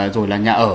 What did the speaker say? rồi là nhà ở